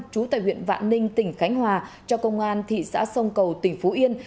trú tại huyện vạn ninh tỉnh khánh hòa cho công an thị xã sông cầu tỉnh phú yên